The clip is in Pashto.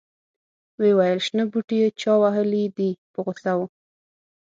ویې ویل شنه بوټي چا وهلي دي په غوسه و.